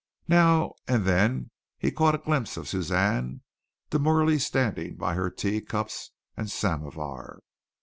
Now and then he caught glimpses of Suzanne demurely standing by her tea cups and samovar.